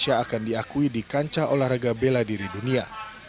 indonesia akan diakui di kancah olahraga bela diri dunia